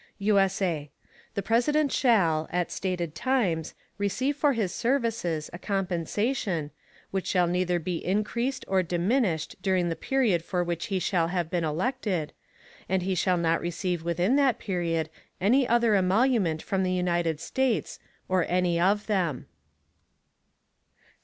[USA] The President shall, at stated Times, receive for his Services, a Compensation, which shall neither be encreased nor diminished during the Period for which he shall have been elected, and he shall not receive within that Period any other Emolument from the United States, or any of them.